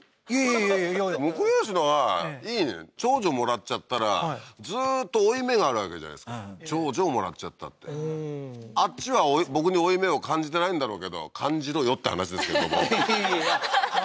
いえいえ婿養子のほうがいいのよ長女もらっちゃったらずっと負い目があるわけじゃないですか長女をもらっちゃったってあっちは僕に負い目を感じてないんだろうけど感じろよって話ですけどもははははっ